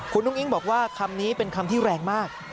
คุณอุ้งอิ๊งบอกว่าคำนี้เป็นคำที่แรงมาก